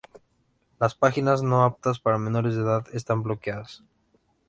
Las páginas no aptas para menores de edad están bloqueadas.